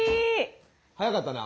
早かったな。